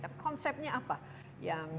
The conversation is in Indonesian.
tapi konsepnya apa